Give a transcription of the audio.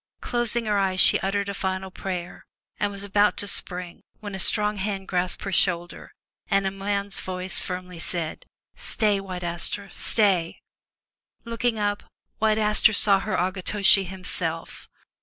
Closing her eyes she uttered a final MY BOOK HOUSE prayer and was about to spring, when a strong hand grasped her shoulder and a man's voice firmly cried : "Stay, White Aster ! Stay !Looking up, White Aster saw her Akitoshi himself.